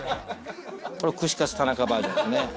これ、串カツ田中バージョンですね。